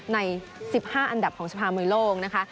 ใน๑๕อันดับของสภามวยโลกนะคะ